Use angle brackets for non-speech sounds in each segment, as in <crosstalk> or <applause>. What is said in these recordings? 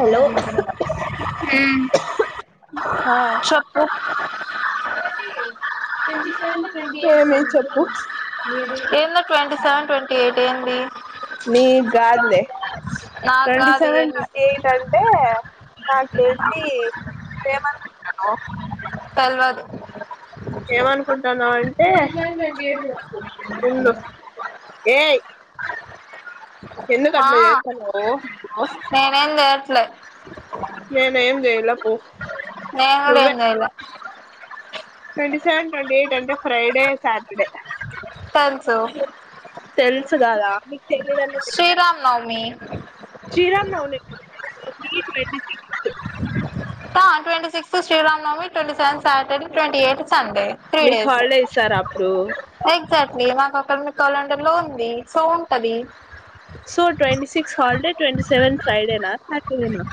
Hello చెప్పు ఉ ఈన్నే ట్వంటీ సెవెన్ ట్వంటీఎయిట్ అయింది. నీక్ గాదులే నాకు ట్వంటీ కాదు సెవెన్ ఏంది ట్వంటీ ఎయిట్ అంటే నాకు తెలిసి ఫేమస్ హలో తెల్వద్ ఏమనుకుంటున్నావు అంటే <inaudible> ఉండు ఏయ్ ఎందుకు ఆ అట్లా చేస్తాన్నావు నువ్వు నేన్ ఏం చేయట్లే నువ్వేం జయలే పో నేన్ గుడ నువ్వే ఏం చేయలా ట్వంటీ సెవెన్ ట్వంటీ ఎయిట్ అంటే ఫ్రైడే సాటర్డే తెల్సు తెల్సు గదా శ్రీరామ నవమి <inaudible> శ్రీరామ నవమి ప twenty six Srirama Navami twenty seven Saturday twenty eight Sunday three మీకు డేస్ హాలిడే ఇస్తారా అప్పుడు <unintelligible> అకాడమిక్ కాలెండర్ లో ఉంది సో ఉంటది so twenty six holiday twenty seven ఫ్రైడేనా సాటర్డేనా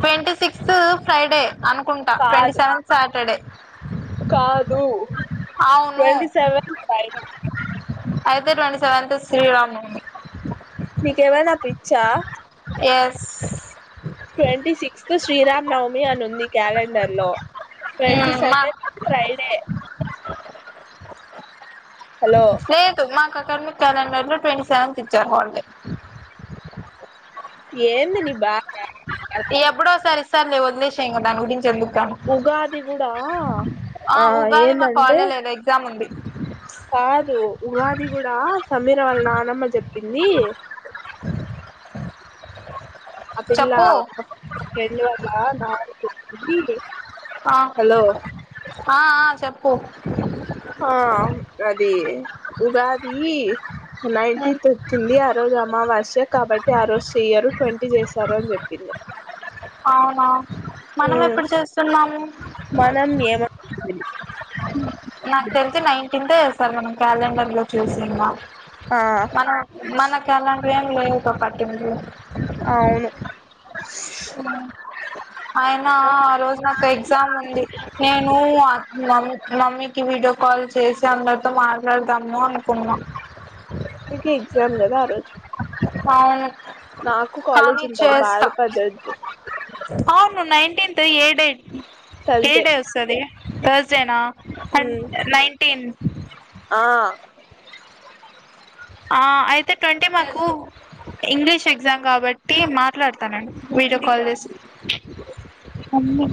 ట్వంటీ సిక్స్త్ ఫ్రైడే అనుకుంటా ట్వంటీ కాదు సెవెంత్ సాటర్డే కాదు అవును ట్వంటీ సెవెన్ ఫై <unintelligible> అయితే ట్వంటీ సెవెన్త్ శ్రీరామ నవమి నీకేమైనా పిచ్చా yes twenty sixth Sriram Navami అని ఉంది క్యాలెండర్ లో ట్వంటి మా సెవెన్ ఫ్రైడే హలో లేదు మా క్ కార్మి క్యాలెండర్ లో ట్వంటీ సెవెన్త్ ఇచ్చారు హ లిడే ఏంది నీ బాష ఎప్పుడో సరి ఇ సర్లే వదిలేసేయ్ దాని గురించి ఎందుకు గాని ఉగాది కూడా ఆ ఉగాది మాకు ఏందంటే హాలిడే లేదు ఎగ్జామ్ ఉంది కాదు ఉగాది కూడా సమీర వాళ్ళ నానమ్మ చెప్పింది ఆ పిల్ల చెప్పు మా ఫ్రెండ్ వాళ్ళ నాన బీ ఆ ఆ ఆ చెప్పు ది ఉగాది నైటీంత్ వచ్చిండి ఆహ్ రోజు అమావాస్య కాబట్టి ఆ రోజు చెయ్యరు ట్వంటీ చేశారు అని చెప్పింది అవునా మనం ఉమ్, ఎప్పుడు చేస్తున్నాము అ సార్ మనం క్యాలెండర్ లో చూసింద ఆ మన మనకు అలాంటి ఎం లేవు పాపా <unintelligible> అవును ఆయన ఆ రోజు నాకు ఎగ్జామ్ ఉంది నేను ఆ మమ్మీకి వీడియో కాల్ చేసి అందరితో మాట్లాడదాము అనుకున్నా నీకి ఎగ్జాం గదా ఆరోజు అవునూ నాకు కాలేజ్ ఉంటది బాద పడద్దు అవును నైన్టీన్త్ ఏ డే థర్స్డే ఏడే వస్తది తర్స్డే నా అ ఉమ్, నైన్టీన్ ఆ అ అయితే ట్వంటీ మాకు ఇంగ్లీష్ ఎగ్జామ్ కాబట్టి మాట్లాడతానం వీడియో కాల్ చేసి హ్మ్